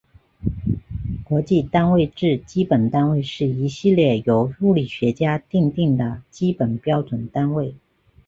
国际单位制基本单位是一系列由物理学家订定的基本标准单位。